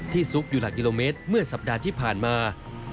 ซุกอยู่หลักกิโลเมตรเมื่อสัปดาห์ที่ผ่านมา